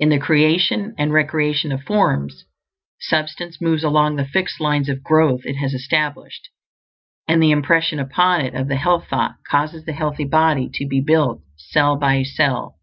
In the creation and recreation of forms, Substance moves along the fixed lines of growth it has established; and the impression upon it of the health thought causes the healthy body to be built cell by cell.